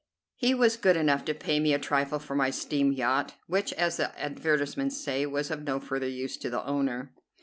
He was good enough to pay me a trifle for my steam yacht, which, as the advertisements say, was 'of no further use to the owner.